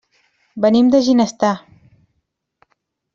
Venim de Ginestar.